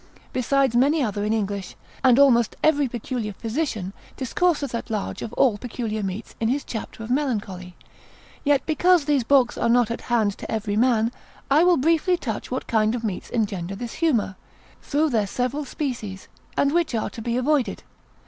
besides many other in English, and almost every peculiar physician, discourseth at large of all peculiar meats in his chapter of melancholy: yet because these books are not at hand to every man, I will briefly touch what kind of meats engender this humour, through their several species, and which are to be avoided.